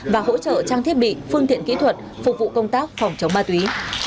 và hỗ trợ trang thiết bị phương tiện kỹ thuật phục vụ công tác phòng chống ma túy